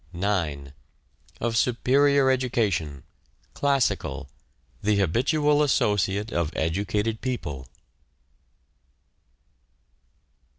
9. Of superior education — classical — the habitual associate of educated people.